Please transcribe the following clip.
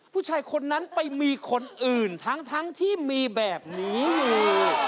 ผู้ชายคนนั้นไปมีคนอื่นทั้งที่มีแบบนี้อยู่